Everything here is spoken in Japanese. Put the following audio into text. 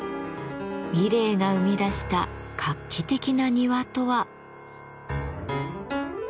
三玲が生み出した画期的な庭とは？